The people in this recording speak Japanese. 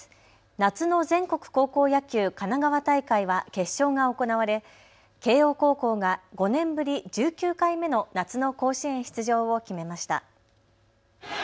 夏の全国高校野球神奈川大会は決勝が行われ慶応高校が５年ぶり１９回目の夏の甲子園出場を決めました。